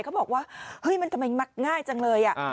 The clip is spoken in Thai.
เขาบอกว่าเฮ้ยมันทำไมมักง่ายจังเลย